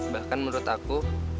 bahkan menurut aku